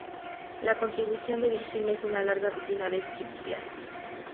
La contribución de Virginia es una larga rutina de striptease.